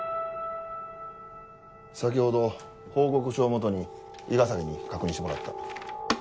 先ほど報告書を基に伊賀崎に確認してもらった。